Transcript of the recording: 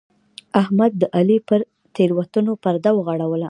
احمد د علي پر تېروتنو پرده وغوړوله.